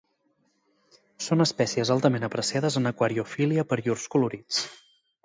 Són espècies altament apreciades en aquariofília per llurs colorits.